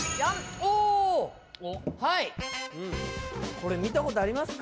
おはいこれ見たことありますか？